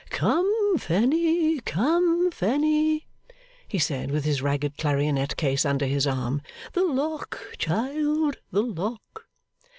'Come, Fanny, come, Fanny,' he said, with his ragged clarionet case under his arm; 'the lock, child, the lock!